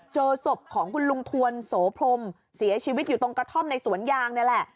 เจอศพของคุณลุงทวนโสพรมเสียชีวิตอยู่ตรงกระท่อมในสวนยางนี่แหละ